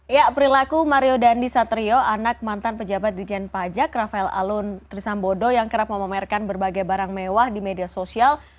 ya perilaku mario dandi satrio anak mantan pejabat di jen pajak rafael alun trisambodo yang kerap memamerkan berbagai barang mewah di media sosial